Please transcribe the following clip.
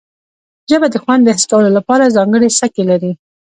ژبه د خوند د حس کولو لپاره ځانګړي څکي لري